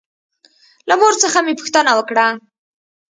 له مور څخه مې پوښتنه وکړه.